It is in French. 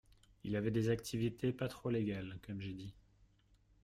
Il avait des activités pas trop légales, comme j’ai dit